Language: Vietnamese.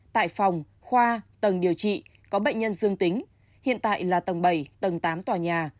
tại phòng khoa tầng điều trị có bệnh nhân dương tính hiện tại là tầng bảy tầng tám tòa nhà